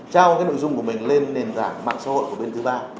trao nội dung của mình lên nền tảng mạng xã hội của bên thứ ba